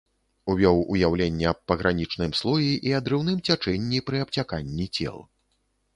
Увёў уяўленне аб пагранічным слоі і адрыўным цячэнні пры абцяканні цел.